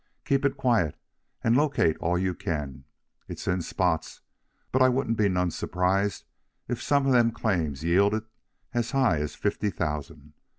Keep it quiet, and locate all you can. It's in spots, but I wouldn't be none surprised if some of them claims yielded as high as fifty thousand.